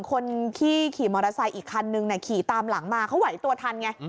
คนที่ขี่มอเตอร์ไซค์อีกคันนึงขี่ตามหลังมาเขาไหวตัวทันไง